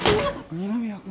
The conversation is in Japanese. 二宮君。